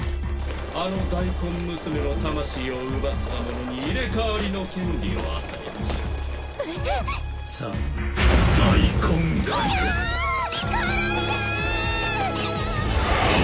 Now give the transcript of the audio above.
あの大根娘の魂を奪った者に入れ替わりの権利を与えましょうさあ大根狩りですうわ！